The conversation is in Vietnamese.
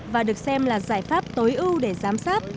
và được xem là giải pháp tối ưu để giám sát